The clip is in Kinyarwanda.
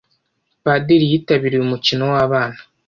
Padiri yitabiriye umukino wabana.